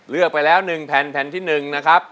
เลือกไปแล้ว๑แผ่นแผ่นที่๑นะครับ